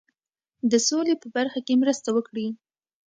د سولي په برخه کې مرسته وکړي.